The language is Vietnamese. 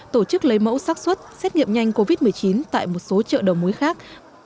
tổ chức lấy mẫu sắc xuất xét nghiệm nhanh covid một mươi chín tại một số chợ đầu mối khác